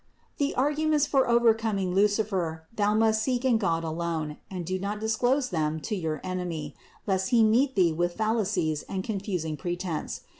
357. The arguments for overcoming Lucifer thou must seek in God alone; and do not disclose them to your enemy, lest he meet thee with fallacies and confusing pre tense.